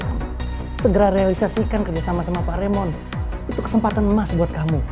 ayo segera realisasikan kerjasama sama pak remon itu kesempatan emas buat kamu